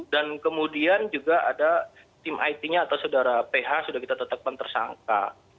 dan kemudian juga ada tim it nya atau saudara ph sudah kita tetapkan tersangka